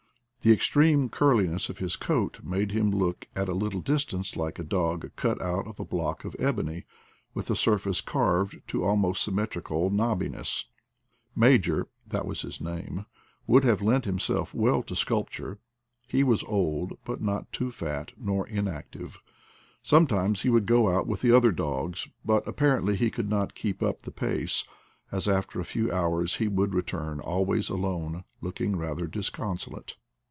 The extreme curliness of his coat made him look at a little distance like a dog cut out of a block of ebony, with the surface c&rved to almost symmetrical knobbiness. Major — that was his name — would have lent himself well to sculpture. He was old, but not too fat, nor inactive; sometimes he would go out with the other dogs, but apparently he could not keep up 60 IDLE DAYS IN PATAGONIA the pace, as after a few hours he would return always alone, looking rather disconsolate.